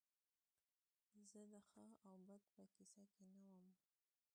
زه د ښه او بد په کیسه کې نه وم